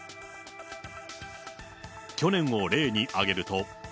去年を例に挙げると。